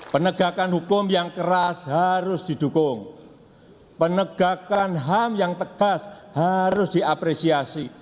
penegakan hukum yang keras harus didukung penegakan ham yang tegas harus diapresiasi